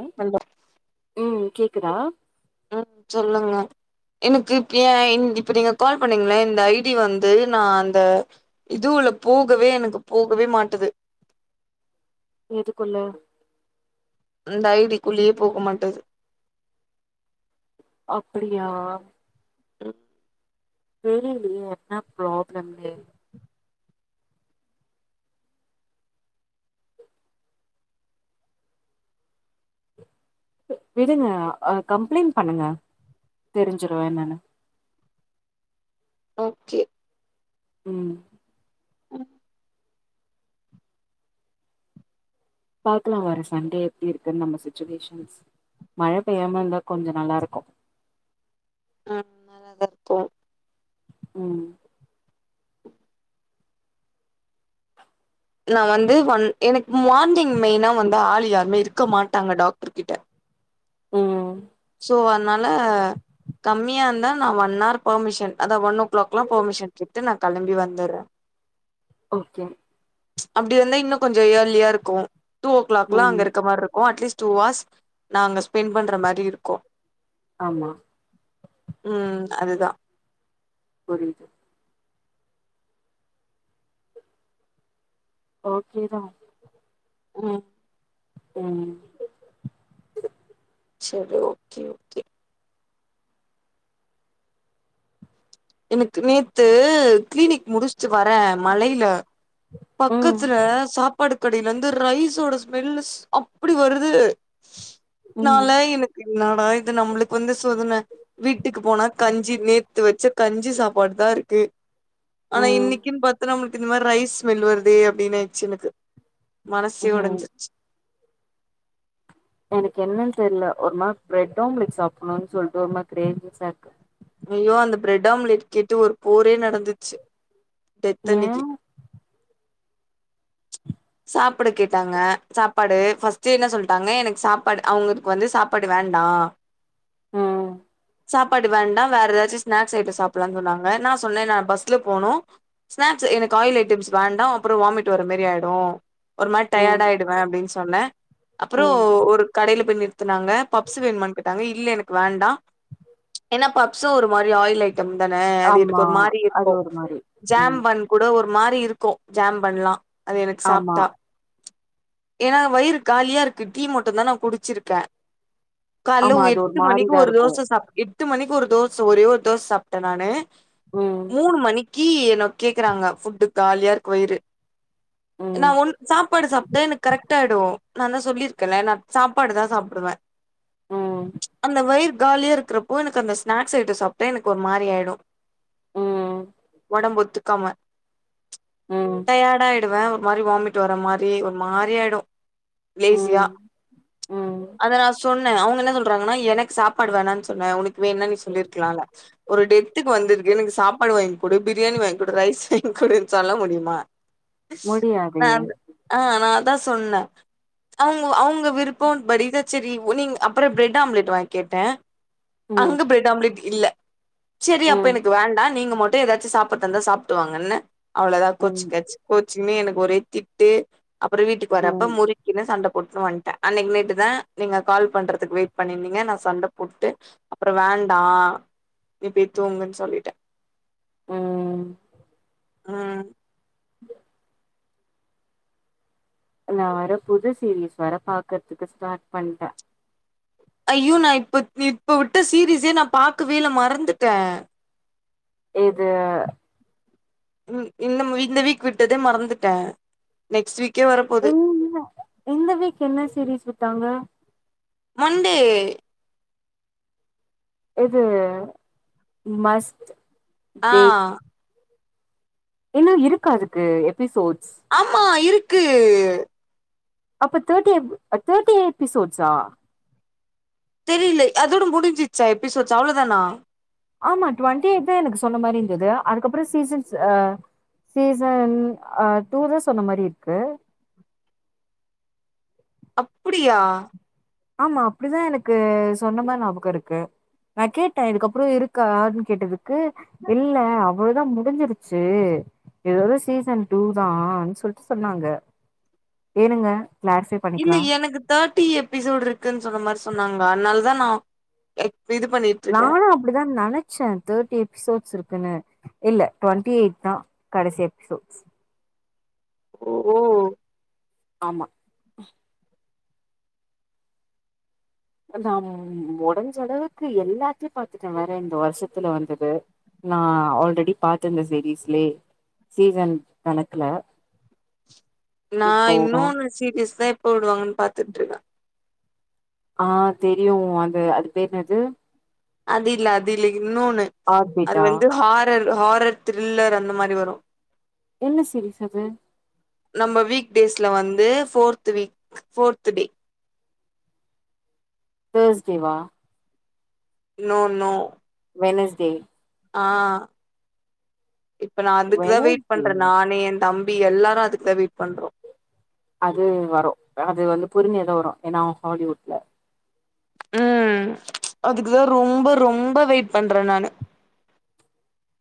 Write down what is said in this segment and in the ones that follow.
ம் ஹலோ உம் கேக் இக்குதா ம் சொல்லுங்க எனக்கு இப்ப ஏன் இப்ப நீங்க கால் பண்ணீங்கள இந்த ஐடி வந்து நா அந்த இதுவுல போகவே எனக்கு போகவே மாட்டுது எதுக்குள்ள இந்த ஐடிக்குள்ளயே போக மாட்டுது அப்டியா [unintelligible] தெரியிலையே என்ன ப்ராப்ளம்னு விடுங்க அ கம்ப்ளைண்ட் பண்ணுங்க தெரிஞ்சிரும் என்னன்னு ஓகே ம் ம் பாக்கலா வர சண்டே எப்டி இருக்குன்னு நம்ம சுச்சுவேஷன்ஸ் மழை பெய்யாம இருந்தா கொஞ்ச நல்லா இருக்கு அ நல்லாதா இருக்கு ம் நா வந்து ஒன் எனக் மார்னிங் மெய்னா வந்தா ஆள் யாருமே இருக்க மாட்டாங்க டாக்டர் கிட்ட ம் சோ அதனால கம்மியா இருந்தா நா ஒன் ஹார் பர்மிஷன் அதா ஒன் ஓ கிளாக்லா போமிஷன் கேட்டு நா கெளம்பி வந்துற ஓகே அப்டி வந்தா இன்னு கொஞ்சோ இயர்லியா இருக்கு டூ ஓ கிளாக்லா ம் அங்க இருக்க மார் இருக்கு அட்லீஸ் டூ ஆர்ஸ் நா அங்க ஸ்பெண்ட் பண்ற மாரி இருக்கு ஆமா ம் அதுதா புரிது ஓகேதா ம் ம் சேரி ஓகே ஓகே எனக்கு நேத்து கிளீனிக் முடுச் ச்சு வர மழையில ம் பக்கத்துல சாப் பாடு கடையில இருந்து ரைஸோட ஸ்மெல்லுஸ் அப்புடி வருது ம் நாலா எனக்கு என்னடா இது நம்மளுக்கு வந்து சோதன வீட்டுக்கு போனா கஞ்சி நேத்து வெச்சு கஞ்சி சாப் பாடுதா இருக்கு ஆனா ம் இன்னிக்கின் பாத்து நம்மளுக் கு இது மாரி ரைஸ் ஸ்மெல் வர்தே அப்டின்னு ஆயிடுச்சு எனக்கு மனசே ம் ஒடஞ்சுருச்சு எனக்கு என்னன் தெர்ல ஒரு மாரி பிரெட்டாம்லெட் சாப்புணுன் சொல்ட்டு ஒரு மாரி கிரேவிங்சா இருக்கு ஐயோ அந்த பிரெட் ஆம்லெட் கேட்டு ஒரு போரே நடந்துச்சு டெத் ஏ அன்னைக்கி சாப்பட கேட்டாங்க சாப்பாடு ஃபஸ்ட்டே என்ன சொல்ட்டாங்க எனக்கு சாப்பாடு அவுங்களுக்கு வந்து சாப்பாடு வேண்டா ம் சாப்பாடு வேண்டா வேற எதாச்சு ஸ்நேக்ஸ் ஐட்டோ சாப்புலான் சொன்னாங்க நா சொன்ன நா பஸ்ல போனு ஸ்நேக்ஸ் எனக்கு ஆயில் ஐட்டம்ஸ் வேண்டா அப்புறோ வாமிட் வர மேரி ஆயிடு [inaudible] ஒரு மாரி ம் டயடாயிடுவ அப்புடின் சொன்ன அப்புறோ ம் ஒரு கடையில போய் நிர் நிர்த்துனாங்க பப்ஸ் வேணுமுனா கேட்டாங்க இ இல்ல எனக்கு வேண்டா ஏன்னா பப்ஸு ஒரு மாரி ஆயில் அயிட டம் தான அதுக்கு ஆமா எனக்கு ஒரு மாரி அது இருக்கு ஒரு மாரி ஜேம் ம் பன் கூட ஒரு மாரி இருக்கு ஜாம் பண்லா அது எனக்கு சாப் ஆமா ஏன்னா வயிறு காலியா இருக்கு டீ மட்டுதா நா குடிச்சுருக்கே கால்ல ஆமா அது ஒரு எட்டு மணிக்கு மாரிதா ஒரு இருக்கு தோசை சா எட்டு மணிக்கு ஒரு தோஸ் ஒரே ஒரு தோச சாப்ட்டே நானு ம் மூண் மணிக் கீ என்ன கேக்குறாங்க ஃபுட்டு் காலியா இருக்கு வயிரு நா ம் ஒன் சாப்பாடு சாப்ட்டே எனக் கரெக் ட்டாயிவோ நா தா சொல்லியிருக்கே நா சாப்பாடு தா சாப்பிடுவே ம் அந்த வயிறு காலியா இருக்கிறப்போ எனக்கு அந்த ஸ்நாக்ஸ் ஐட்ட சாப்ட்டோ எனக்கு ஒரு மாரி ஆயிரு ம்ம் படம் ஒத்துக்காம ச் ம் டயாடா ஆயிடுவே ஒரு மாரி வாமிட் வர மாரி ஒரு மாரி ஆயிடு லேசியா ம் ம் அத நா சொன் அவுங்க என்ன சொல்றாங்கன்னா எனக்கு சாப்பாடு வேணான் சொன்னே உனக்கு வேண நீ சொல்லிருக்கலாம்ல ஒரு டெத்துக்கு வந்துருக்கு எனக்கு சாப்பாடு வாங்கிக்குடு பிரியாணி வாங்கி குடு ரைஸ் வாங்க குடுன்னு சொல்ல முடியுமா ஒடியாது ந அந் ஆ ஆனா நாதா சொன்னே அவுங் அவுங் விருப்பம்படித செரி நீங் அப்பறம் பிரட் ஆம்லெட் வாங்க கேட்டே ம் அங்க பிரெட் ஆம்லெட் இல்ல ச்செரி அப்ப ம் எனக்கு வேண்டா நீங்க மட் போய் ஏதாச்சு சாப்பட்றதன சாப்பிட்டு வாங்கன்னே அவ்ளோதா ம் கோச்சு கச்சு கோச்சுக்குனு எனக் ஒரே திட்டு அப்பறம் வீட்டுக்கு வரப்ப ம் முறிக்கினு சண்ட போட்னு வன்ட்டே அன்னைக்குனைட்டு தா நீங்க கால் பண்றதுக்கு வெயிட் பண்ணிருந்தீங்க நா சண்ட போட்டு அப்பறம் வேண்டா நீ போய் தூங்குன்னு சொல்லிட்டே ம் ம் [unintelligible] நா வர புது சீரீஸ் வேற பாக்கறதுக்கு ஸ்டார்ட் பண்ட்டே ஐயோ நா இப்ப இப்ப வுட்ட சீரீஸே நா பாக்கவே இல்ல மறந்துட்ட இது இந் இந்த வீக் விட்டதே மறந்துட்ட நெக்ஸ்ட் வீக் இந்த இந்த வீக் என்ன சீரீஸ் விட்டாங்க மண்டே இது மஸ்ட் ஆ டேட் இன்னு இருக்கா அதுக்கு எப்பிசோட்ஸ் ஆமா இருக்கு அப்ப தேர்டி எப் தேர்ட்டி எபிசோட்ஸ்சா தெரில அதோட முடுஞ்சுச்சா எபிசோட்ஸ் அவ்ளோதானா ஆமா டுவெண்டி எயிட் தா எனக்கு சொன்ன மாரி இருந்துது அதுக்கப்பறோ சீசன்ஸ் ஆ சீசன் அ டூ தா சொன்ன மாரி இருக்கு அப்புடியா ஆமா அப்டிதா எனக்கு சொன்ன மாரி ஞாபகோ இருக்கு நா கேட்ட இதுக்கப்புறோ இருக்கான் கேட்டது க்கு இல்ல அவ் அவ்ளோதா முடுஞ்சுருச்சு இதோட சீசன் டூ தான் சொல்ட்டு சொன்னாங்க ஏனுங்க இல்ல எனக்கு தேர்ட்டி எபிசோடு இருக் இருக்குன் சொன்ன மாரி சொன்னாங்க அதனாலதா நா எயிட் நானு அப்புடிதா நெனச்ச தோட்டி எபிசோட்ஸ் இருக் க்குனு இல்ல டுவெண்டி எயிட்தா கடசி எபிசோட்ஸ் ஓ ஓ ஆமா நா முடுஞ்சளவுக்கு எல்லாத்தையு பாத்துட்ட வேற இந்த வருஷத்துல வந்தது நா ஆல்ரெடி பாத்துருந்த சீரீஸ்லயே சீசன் கணக்குல நா இப்போ இன்னு அந்த சீரியஸ்தா இப் போடுவாங்கன் பாத்துட்ருக்கா ஆ தெரியு அந்த அது பேர் என்னது அது இல்ல அது இல்லைங் இன்னொன்னு அது ஆர்பிட்டா வந்து ஹாரர் ஹாரர் த்ரில்லர் அந்த மாரி வரு என்ன சீரிஸ் அது நம்ம வீக் டேஸ்ல வந்து ஃபோர்த்து வீக் ஃபோர்த்து டே தேஸ்டே வா நோ நோ வெனஸ் டே ஆ இப்ப நா அதுக்குதா வெயிட் பண்ற வெனஸ்டே நானே என் தம் அப்படி எல்லாரும் அதுக்கு தான் வெயிட் பண்றோம் அது வரும் அது வந்து புரிந்து ஏதோ வரும் ஏன்னா ஹாலிவுட்ல ம் அதுக்குதான் ரொம்ப ரொம்ப வெயிட் பண்றேன் நானு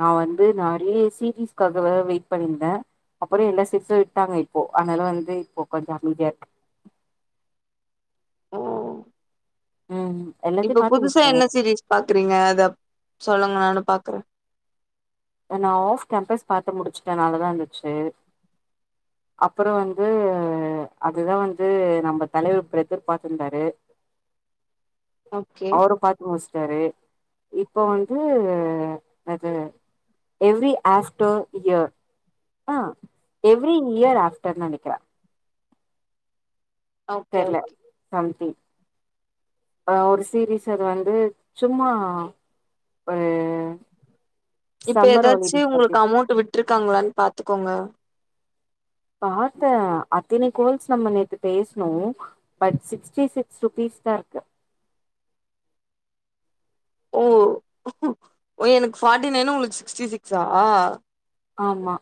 நான் வந்து நறைய சீரிஸ்க்காகவே வெயிட் பண்ணியிருந்தேன் அப்புறம் எல்லா சிக்ஸும் விட்டாங்க இப்போ அதனால வந்து இப்போ கொஞ்சம் அமைதியா இருக் ஓ ம் எல்லாத்தையு இப்ப பாத்து புதுசா முடிச்சிட்டே வேற என்ன சீரிஸ் பாக்குறீங்க அத சொல்லுங்களேன் பாக்குறேன் நான் ஆஃப் கேம்பஸ் பார்த்து முடிச்சுட்டேன் நல்லா தான் இருந்துச்சு அப்புறோம் வந்து அதுதான் வந்து நம்ம தலைவர் எதிர்பார்த்திருந்தாரு ஓகே அவுரு பார்த்து மோஷ் செரி இப்போ வந்து அ அது எவ்ரி ஆஃப்டர் இயர் ஆ எவ்ரி இயர் ஆஃப்டர் நெனைக்கிறேன் ஓகே தெர்ல ஓகே சம்திங் ஆ ஒரு சீரீஸ் அது வந்து சும்மா அ இப்ப ஏதாச்சும் உங்களுக்கு அமௌண்ட் விட்டுருக்காங்களான்னு பாத்துக்கோங்க பாத்தேன் அத்தனை கோல்ஸ் நம்ம நேத்து பேசுனோம் பட் சிக்ஸ்டி சிக்ஸ் ருபீஸ் தான் இருக்கு ஓ ஓ எனக்கு பார்ட்டி நைன்னு உங்களுக்கு சிக்ஸ்டி சிக்ஸா ஆமா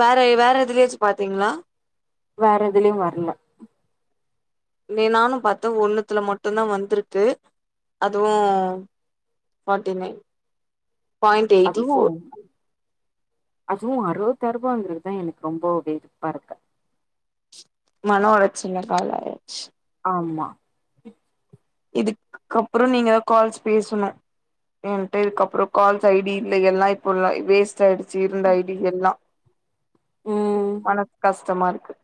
வேற வேற எதுலயாச்சும் பாத்தீங்களா வேற எதுலயும் வர்ல நீ நானும் பாத்து ஒன்னுத்துல மட்டும்தான் வந்திருக்கு அதுவும் forty nine point eighty four அதுவும் அறுப்பத்ஆர்ரூபாங்கிறது தான் எனக்கு ரொம்பவேதிப்பா இருக்கு மனோ ஒழச்சல்னால ஆயிச் ஆமா இதுக்கப்புறம் நீங்கதான் கால்ஸ் பேசனும் ம் போய் இதுக் அப்புறோம் கால் ஐ டி இல்ல எல்லாம் இப்போ வேஸ்ட் ஆயிடுச்சு இருந்த ஐ டி எல்லாம் ம் உனக் கஷ் டமா இருக்கு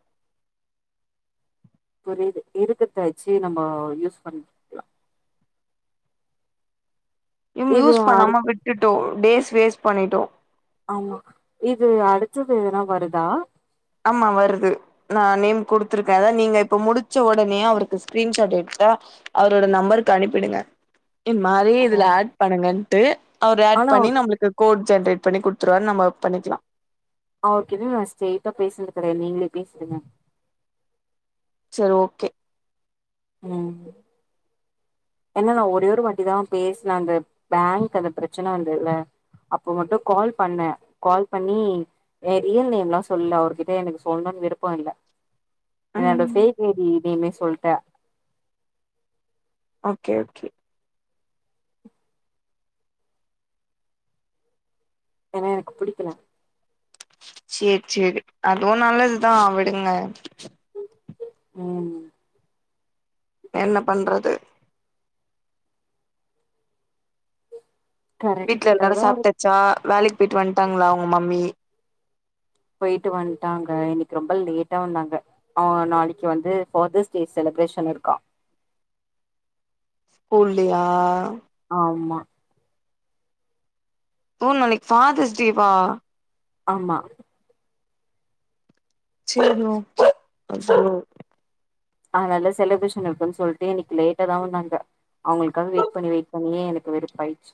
புரியுது இருக்கறத வச்சு நம்ம யூஸ் பண்ணிக்கலாம் இங்க இது யூஸ் அடு பண்ணாம விட்டுட்டோம் டேஸ் வேஸ்ட் பண்ணிட்டோம் ஆமா இது அடுத்தது எதுனா வருதா ஆமா வருது நான் நேம் குடுத்துருக்கேன் அதாவது நீங்க இப்ப முடிச்ச உடனே அவருக்கு ஸ்கிரீன்ஷாட் எடுத்தா அவரோட நம்பருக்கு அனுப்பிடுங்க இது மாரி ஓ இதுல ஆட் பண்ணுங்கன் ட்டு அவரு ஆட் ஆனா அவ பண்ணி நம்மளுக்கு கோட் ஜென்ரேட் பண்ணி குடுத்துருவாரு நம்ம பண்ணிக்கலா அவருக்கு எதுவு நா ஸ்டெய்ட்டா பேசுனது கெடையாது நீங்களே பேசிடுங்க செரி ஓகே ம் ஏன்னா நா ஒரே ஒரு வாட்டிதா பேசுனே அந்த பேங்க் அந்த பிரச்சன வந்ததுல அப்ப மட்டு கால் பண்ணே கால் பண்ணி ஆ ரியல் நேம்லா சொல்லல அவர்கிட்ட எனக்கு சொல்லணுன்னு விருப்போ இல்ல ம் என்னோட ஃபேக் ஐ டி நேமே சொல்ட்ட ஓகே ஓகே ஏன்னா எனக்கு புடிக்கல சேரி சேரி அதுவு நல்லதுதா விடுங்க ம் என்ன பண்றது வீட்ல கரெக்டா எல்லாரு தா ஒரு சாப்ட்டாச்சா வேலைக் போய்ட்டு வந்ட்டாங்களா உங்க மம்மி போயிட்டு வந்ட்டாங்க இன்னக்கி ரொம்ப லேட்டா வந்தாங்க. ஆ நாளைக்கி வந்து ஃபாதர்ஸ் டே செலிப்ரேஷன் இருக்கா ஸ்கூல்லயா? ஆமா ஓ நாளைக்கி ஃபாதர்ஸ் டேவா ஆமா சேரி ஓகே [inaudible] அதனால செலிப்ரேஷன் இருக்குன்னு சொல்ட்டு இன்னக்கி லேட்டாதா வந்தாங்க அவங்களுக்காக வெயிட் பண்ணி வெயிட் பண்ணியே எனக்கு வெறுப்பாயிடுச்சு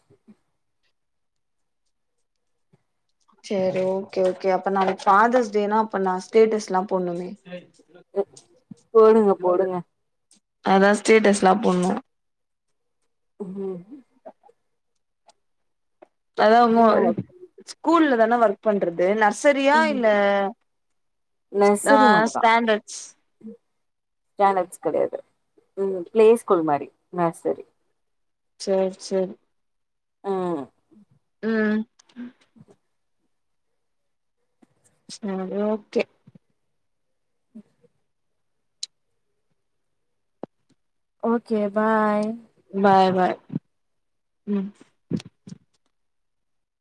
சேரி ஓகே ஓகே அப்ப நாளைக்கி ஃபாதர்ஸ்டேனா அப்ப நா ஸ்டேட்டஸ்லா போட்ணுமே அ போடுங்க போடுங்க அதா ஸ்டேட்டஸ்லா போட்ணு ம் அதா உங்க இந்தாங்க ஸ்கூல்ல தான ஒர்க் பண்றது நா சரியா ம் இல்ல ஆ நர்சரி ஸ்டாண்டர்ட்ஸ் க்ரானைட்ஸ் கெடையாது ம் பிளே ஸ்கூல் மாரி நர்சரி சேரி சேரி ம் ம் உஹ [inaudible] ம் ஓகே ம் ஓகே பாய் பாய் பாய் ம்